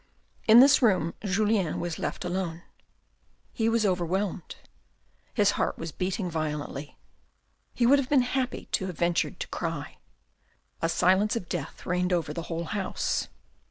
In this room Julien was left alone. He was overwhelmed. His heart was beating violently. He would have been happy to have ventured to cry. A silence of death reigned over the whole house.